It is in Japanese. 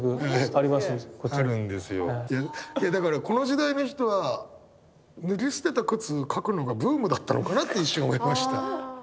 いやだからこの時代の人は脱ぎ捨てた靴描くのがブームだったのかなって一瞬思いました。